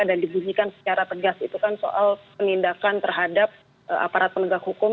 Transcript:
dan dibunyikan secara tegas itu kan soal penindakan terhadap aparat penegak hukum